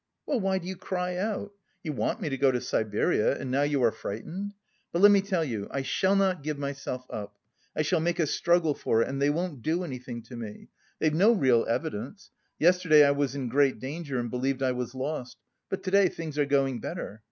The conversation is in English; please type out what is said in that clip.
"Well, why do you cry out? You want me to go to Siberia and now you are frightened? But let me tell you: I shall not give myself up. I shall make a struggle for it and they won't do anything to me. They've no real evidence. Yesterday I was in great danger and believed I was lost; but to day things are going better.